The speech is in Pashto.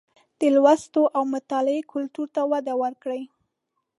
د لوستلو او مطالعې کلتور ته وده ورکړئ